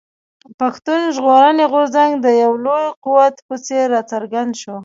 پښتون ژغورني غورځنګ د يو لوی قوت په څېر راڅرګند شو.